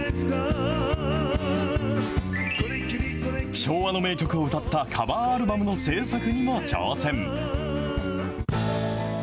昭和の名曲を歌ったカバーアルバムの製作にも挑戦。